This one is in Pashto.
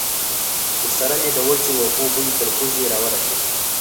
ورسره مې د وچو وښو بوی تر پوزې را ورسېد.